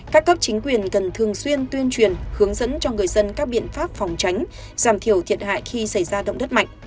các cấp chính quyền cần thường xuyên tuyên truyền hướng dẫn cho người dân các biện pháp phòng tránh giảm thiểu thiệt hại khi xảy ra động đất mạnh